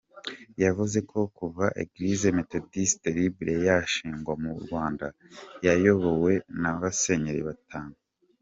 Yavuze ko kuva Église Méthodiste Libre yashingwa mu Rwanda yayobowe n’abasenyeri batanu.